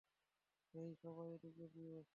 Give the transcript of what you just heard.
হেই, সবাই, এ দিক দিয়ে।